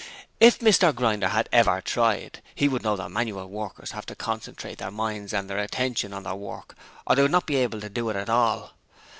If Mr Grinder had ever tried, he would know that manual workers have to concentrate their minds and their attention on their work or they would not be able to do it at all.